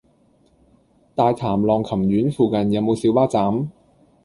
大潭浪琴園附近有無小巴站？